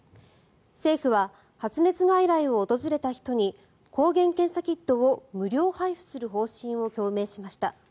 政府は発熱外来を訪れた人に抗原検査キットを無料配布する方針を表明しました。